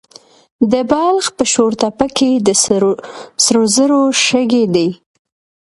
د بلخ په شورتپه کې د سرو زرو شګې دي.